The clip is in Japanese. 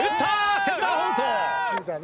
センター方向。